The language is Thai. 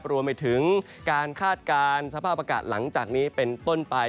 รวมไปถึงการคาดการณ์สภาพอากาศหลังจากนี้เป็นต้นไป